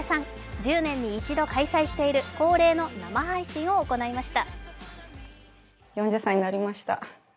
１０年に一度、開催している恒例の生配信を行いました。